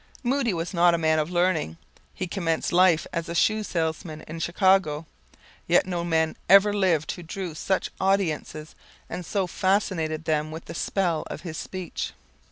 Moody was not a man of learning; he commenced life as a shoe salesman in Chicago, yet no man ever lived who drew such audiences and so fascinated them with the spell of his speech.